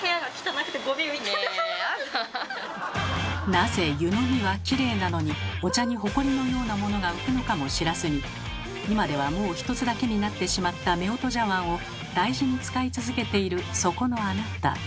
なぜ湯のみはきれいなのにお茶にホコリのようなものが浮くのかも知らずに今ではもう一つだけになってしまった夫婦茶わんを大事に使い続けているそこのあなた。